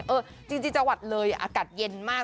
เออจริงจังหวัดเลยอากาศเย็นมาก